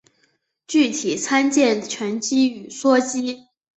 具体参见醛基与羧基。